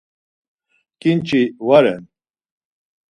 Ǩinçi va ren!